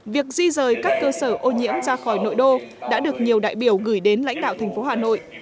việc di rời các cơ sở ô nhiễm ra khỏi nội đô đã được nhiều đại biểu gửi đến lãnh đạo thành phố hà nội